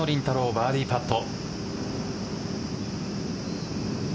バーディーパット。